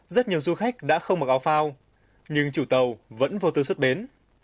rất nhiều du khách đã không mặc áo phao nhưng chủ tàu vẫn vô tư xuất bến